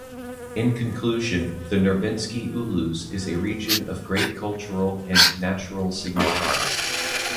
In conclusion, the Nurbinsky Ulus is a region of great cultural and natural significance.